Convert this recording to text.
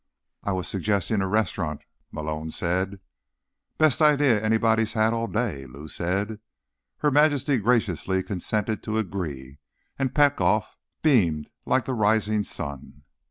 "I was suggesting a restaurant," Malone said. "Best idea anybody's had all day," Lou said. Her Majesty graciously consented to agree, and Petkoff beamed like the rising sun.